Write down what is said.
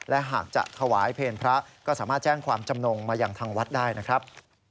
และหากจะถวายเพลงพระก็สามารถแจ้งความจำนงมาอย่างทางวัดได้นะครับ